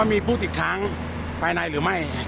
อันที่สุดท้ายก็คือภาษาอันที่สุดท้าย